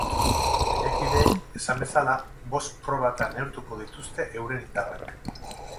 Lehiakideek, esan bezala, bost probatan neurtuko dituzte euren indarrak.